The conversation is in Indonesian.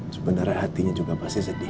sebenarnya hatinya juga pasti sedih